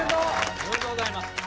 おめでとうございます。